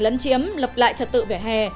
lấn chiếm lập lại trật tự vỉa hè